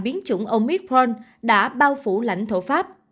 biến chủng omicron đã bao phủ lãnh thổ pháp